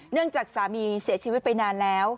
จากสามีเสียชีวิตไปนานแล้ว